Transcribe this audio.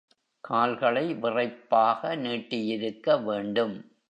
கால்களை விறைப்பாக நீட்டியிருக்க வேண்டும்.